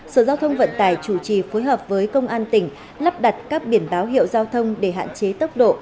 sở giao thông vận tải chủ trì phối hợp với công an tỉnh lắp đặt các biển báo hiệu giao thông để hạn chế tốc độ